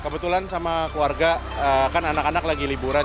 kebetulan sama keluarga kan anak anak lagi liburan